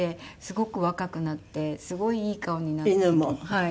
はい。